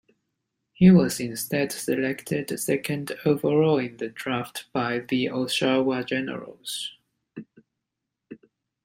He was instead selected second overall in the draft by the Oshawa Generals.